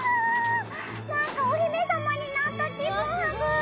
なんかお姫様になった気分ハグ！